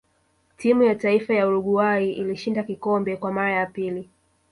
timu ya taifa ya uruguay ilishinda kikombe Kwa mara ya pili